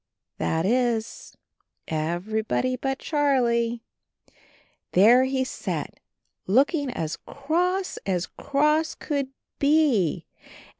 That is everybody but Charlie. There he sat, looking as cross as cross could be, and c*y O ^